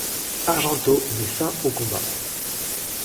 Argenteau met fin aux combats.